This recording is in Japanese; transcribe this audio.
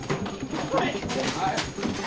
はい！